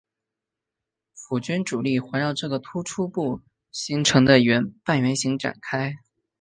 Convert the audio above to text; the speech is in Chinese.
普军主力环绕这个突出部成半圆形展开。